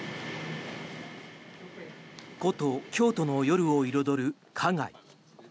古都・京都の夜を彩る花街。